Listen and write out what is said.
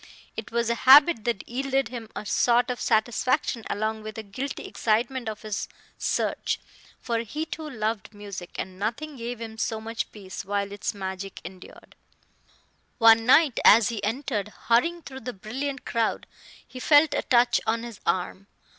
It was a habit that yielded him a sort of satisfaction along with the guilty excitement of his search; for he too loved music, and nothing gave him so much peace while its magic endured. One night as he entered, hurrying through the brilliant crowd, he felt a touch on his arm.